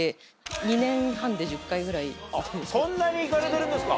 そんなに行かれてるんですか。